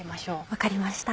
分かりました。